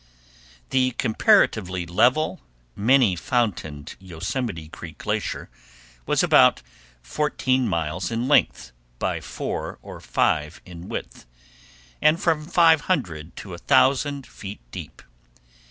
The comparatively level, many fountained Yosemite Creek Glacier was about fourteen miles in length by four or five in width, and from five hundred to a thousand feet deep.